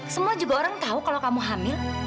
semua juga orang tahu kalau kamu hamil